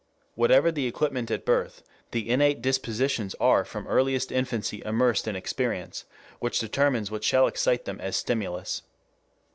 Whatever the equipment at birth, the innate dispositions are from earliest infancy immersed in experience which determines what shall excite them as stimulus.